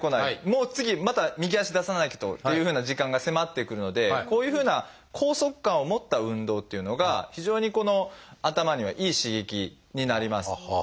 もう次また右足出さないとっていうふうな時間が迫ってくるのでこういうふうな拘束感を持った運動っていうのが非常に頭にはいい刺激になります。